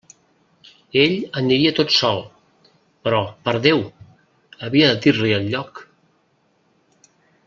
Ell aniria tot sol; però, per Déu!, havia de dir-li el lloc.